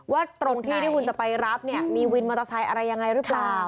ว่าตรงที่ที่คุณจะไปรับเนี่ยมีวินมอเตอร์ไซค์อะไรยังไงหรือเปล่า